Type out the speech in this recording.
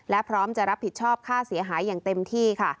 และพร้อมจะรับผิดชอบค่าเสียหายอย่างเต็มที่ค่ะ